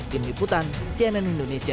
tim liputan cnn indonesia